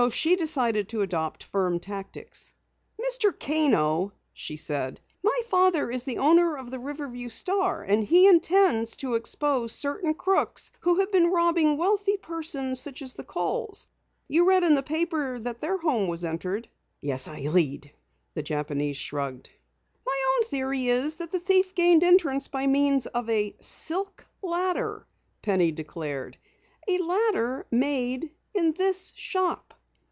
She decided to adopt firm tactics. "Mr. Kano," she said, "my father is the owner of the Riverview Star and he intends to expose certain crooks who have been robbing wealthy persons such as the Kohls. You read in the paper that their home was entered?" "Yes, I read," the Japanese shrugged. "My own theory is that the thief gained entrance by means of a silk ladder," Penny declared. "_A ladder made in this shop!